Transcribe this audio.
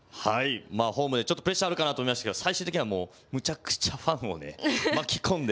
ホームでちょっとプレッシャーあるかな？と思いましたけど、最終的にはもうむちゃくちゃファンを巻き込んで。